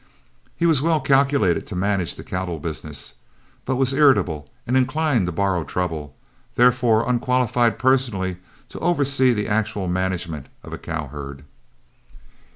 He was well calculated to manage the cattle business, but was irritable and inclined to borrow trouble, therefore unqualified personally to oversee the actual management of a cow herd.